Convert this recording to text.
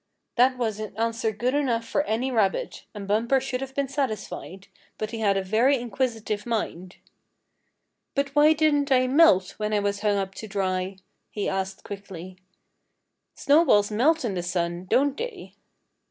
That was an answer good enough for any rabbit, and Bumper should have been satisfied, but he had a very inquisitive mind. "But why didn't I melt when I was hung up to dry?" he asked quickly. "Snowballs melt in the sun, don't they?"